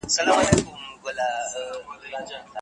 دا کار هر څوک کولی شي.